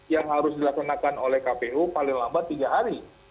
yang harus dilaksanakan oleh kpu paling lambat tiga hari